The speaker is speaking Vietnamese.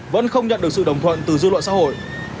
vẫn không nhận được sự đồng thuận từ dư luận xã hội